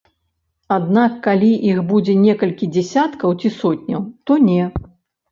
Аднак калі іх будзе некалькі дзясяткаў ці сотняў, то не.